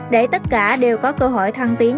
để tất cả đều có cơ hội thăng tiến